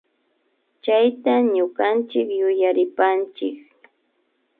Chayta ñukanchik yuyarinakanchik